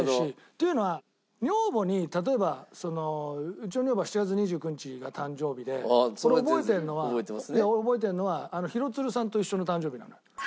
というのは女房に例えばうちの女房は７月２９日が誕生日でこれ覚えてるのは覚えてるのは廣津留さんと一緒の誕生日なのよ。